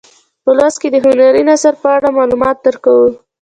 په لوست کې د هنري نثر په اړه معلومات درکوو.